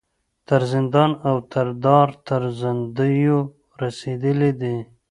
تر زندان او دار تر زندیو رسېدلي دي.